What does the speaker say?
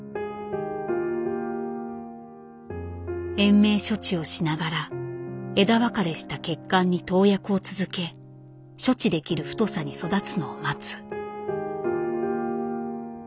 延命処置をしながら枝分かれした血管に投薬を続け処置できる太さに育つのを待つ。